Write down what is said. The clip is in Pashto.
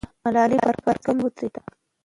ملالۍ پر کوم ځای ودرېده؟